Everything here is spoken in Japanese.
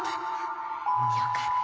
よかった。